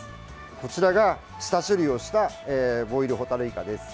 こちらが下処理をしたボイルホタルイカです。